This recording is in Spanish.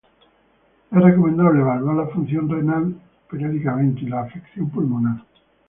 Es recomendable evaluar la función renal periódicamente y la afección pulmonar.